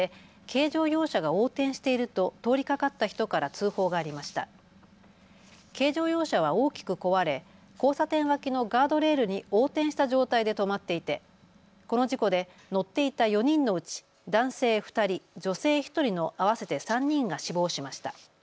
軽乗用車は大きく壊れ交差点脇のガードレールに横転した状態で止まっていて、この事故で乗っていた４人のうち男性２人、女性１人の合わせて３人が死亡しました。